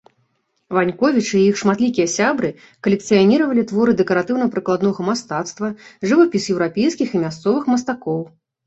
Ваньковічы і іх шматлікія сябры калекцыяніравалі творы дэкаратыўна-прыкладнога мастацтва, жывапіс еўрапейскіх і мясцовых мастакоў.